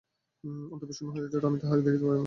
অন্তঃপুর শূন্য হইয়া আছে, আমি তাহা দেখিতে পারিব না।